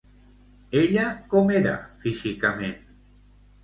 Ella com era físicament?